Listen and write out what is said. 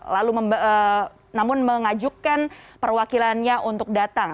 lalu namun mengajukan perwakilannya untuk datang